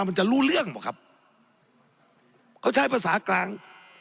มันจะรู้เรื่องหมดครับเขาใช้ภาษากลาง